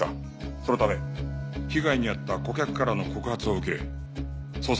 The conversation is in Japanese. そのため被害に遭った顧客からの告発を受け捜査